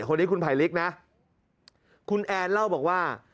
คนนี้คุณไผลลิกนะคุณแอนเล่าบอกว่า